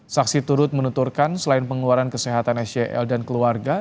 saksi turut menuturkan selain pengeluaran kesehatan sel dan keluarga